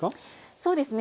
そうですね